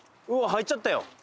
入っちゃったよ